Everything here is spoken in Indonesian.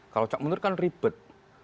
kalau copet kan ribet